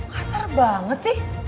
kasar banget sih